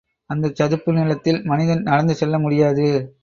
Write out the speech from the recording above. அந்தச் சதுப்பு நிலத்தில் மனிதன் நடந்து செல்ல முடியாது.